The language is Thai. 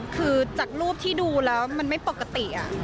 คือจากรูปที่ดูแล้วมันไม่ปกติ